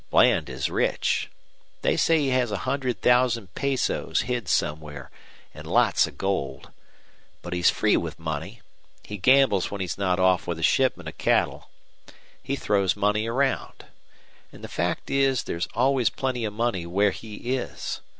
Bland is rich. They say he has a hundred thousand pesos hid somewhere, an' lots of gold. But he's free with money. He gambles when he's not off with a shipment of cattle. He throws money around. An' the fact is there's always plenty of money where he is.